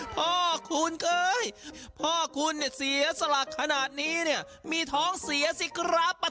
พ่อคุณเอ้ยพ่อคุณเนี่ยเสียสละขนาดนี้เนี่ยมีท้องเสียสิครับ